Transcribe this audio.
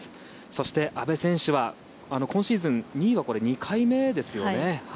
そして阿部選手は今シーズン、２位はこれで２回目ですよね。